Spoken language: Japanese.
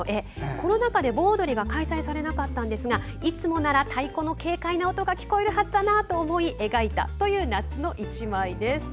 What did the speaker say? コロナ禍で盆踊りが開催されなかったんですがいつもなら太鼓の軽快な音が聞こえるはずだと思い描いたという夏の一枚です。